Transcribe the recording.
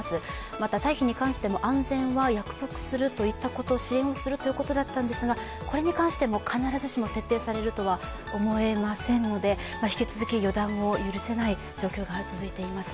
また、退避に関しても安全は約束するといったこと、支援をするということだったんですが、これに関しても必ずしも徹底されるとは思えませんので引き続き予断を許せない状況が続いています。